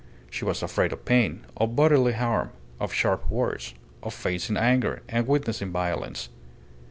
She was afraid of pain, of bodily harm, of sharp words, of facing anger, and witnessing violence.